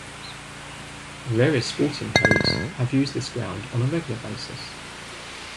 Various sporting codes have used this ground on a regular basis.